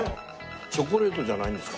チョコレートじゃないんですか？